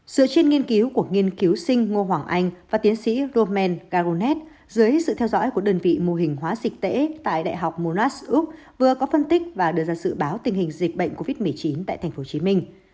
dựa trên nghiên cứu của nghiên cứu sinh ngô hoàng anh và tiến sĩ roman carronet dưới sự theo dõi của đơn vị mô hình hóa dịch tễ tại đại học monlas úc vừa có phân tích và đưa ra dự báo tình hình dịch bệnh covid một mươi chín tại tp hcm